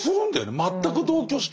全く同居して。